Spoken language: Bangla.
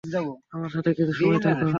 আমার সাথে কিছু সময় থাকো।